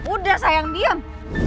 udah sayang diam